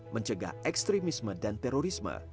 mencegah ekstremisme dan terorisme